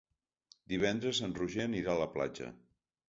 Divendres en Roger anirà a la platja.